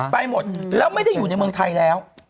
หมดแล้วไม่ได้อยู่ในเมืองไทยแล้ว